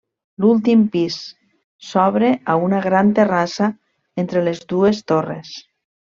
L'últim pis s'obre a una gran terrassa entre les dues torres.